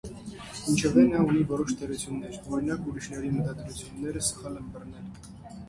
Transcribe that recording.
Ինչևէ, նա ունի որոշ թերություններ, օրինակ՝ ուրիշների մտադրությունները սխալ ըմբռնելը։